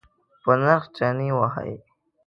په نرخ چنی وهئ؟